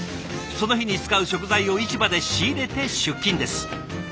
その日に使う食材を市場で仕入れて出勤です。